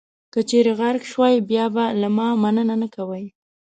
که چېرې غرق شوئ، بیا به له ما مننه نه کوئ.